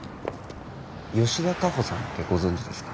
吉田果歩さんってご存じですか？